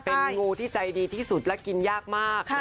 เป็นงูที่ใจดีที่สุดและกินยากมาก